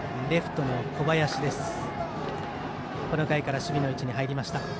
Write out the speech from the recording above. レフトは小林です。